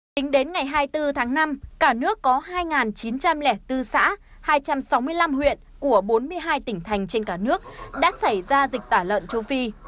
tính đến ngày hai mươi bốn tháng năm cả nước có hai chín trăm linh bốn xã hai trăm sáu mươi năm huyện của bốn mươi hai tỉnh thành trên cả nước đã xảy ra dịch tả lợn châu phi